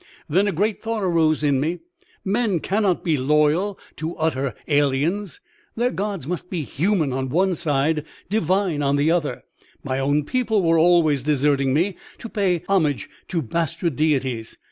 Then a great thought arose in me: men cannot be loyal to utter aliens; their gods must be human on one side, divine on the other; my own people were always deserting me to pay homage to bastard deities.